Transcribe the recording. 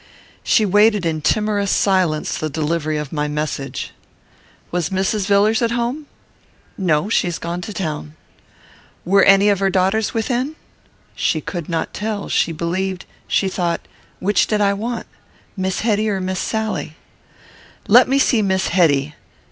She waited in timorous silence the delivery of my message. Was Mrs. Villars at home? "No; she has gone to town." Were any of her daughters within? She could not tell; she believed she thought which did I want? Miss Hetty or Miss Sally? "Let me see Miss Hetty."